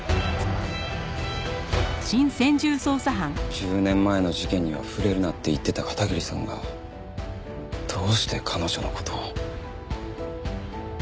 １０年前の事件には触れるなって言ってた片桐さんがどうして彼女の事を。